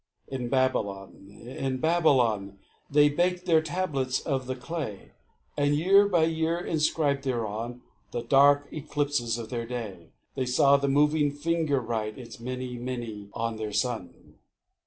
In Babylon, in Babylon, They baked their tablets of the clay; And, year by year, inscribed thereon The dark eclipses of their day; They saw the moving finger write Its Mene, Mene, on their sun.